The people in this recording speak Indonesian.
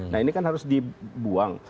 nah ini kan harus dibuang